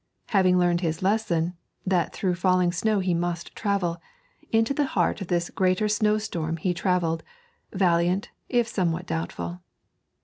Having learned his lesson, that through falling snow he must travel, into the heart of this greater snowstorm he travelled, valiant, if somewhat doubtful.